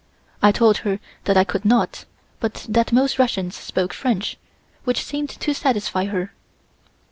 I told her that I could not, but that most Russians spoke French, which seemed to satisfy her.